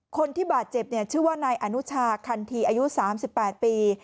คนที่บาดเจ็บชื่อว่านายอนุชาคันทีอายุ๓๘ปี